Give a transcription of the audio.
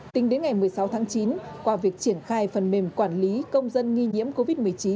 tính đến ngày một mươi sáu tháng chín qua việc triển khai phần mềm quản lý công dân nghi nhiễm covid một mươi chín